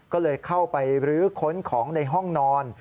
ก็เลยเข้าไปรื้อค้นของในห้องนอน